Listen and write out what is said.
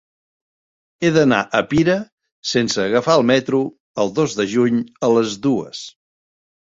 He d'anar a Pira sense agafar el metro el dos de juny a les dues.